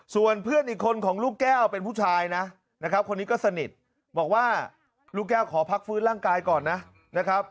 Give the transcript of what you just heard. ส่วนเพื่อนอีกคนของลูกแก้วเป็นผู้ชายนะนะครับคนนี้ก็สนิทบอกว่าลูกแก้วขอพักฟื้นร่างกายก่อนนะครับ